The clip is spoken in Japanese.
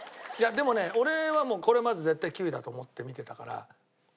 でもね俺はこれまず絶対９位だと思って見てたから。